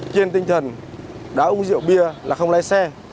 kiên tinh thần đã uống rượu bia là không lái xe